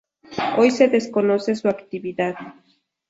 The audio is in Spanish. Hoy se desconoce su actividad.